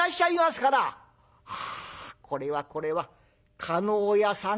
「ああこれはこれは叶屋さん